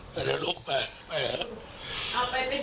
เอาละลูกไปไปครับ